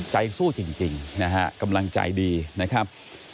ใจสู้จริงนะฮะกำลังใจดีนะครับ